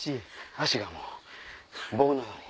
足がもう棒のように。